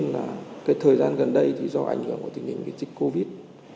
và cái thời gian gần đây thì do ảnh hưởng của tình hình cái dịch covid